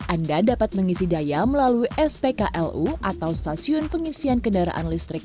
anda dapat mengisi daya melalui spklu atau stasiun pengisian kendaraan listrik